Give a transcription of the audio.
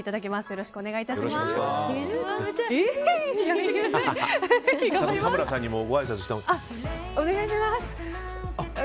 よろしくお願いします。